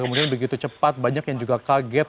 kemudian begitu cepat banyak yang juga kaget